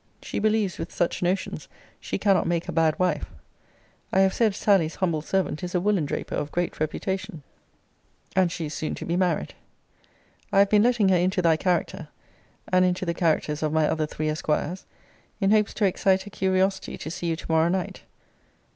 She believes with such notions she cannot make a bad wife.' I have said Sally's humble servant is a woolen draper of great reputation; and she is soon to be married. I have been letting her into thy character, and into the characters of my other three esquires, in hopes to excite her curiosity to see you to morrow night.